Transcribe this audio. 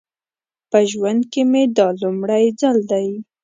په ژوند کې مې دا لومړی ځل دی.